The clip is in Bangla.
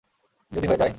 যদি হয়ে যাই?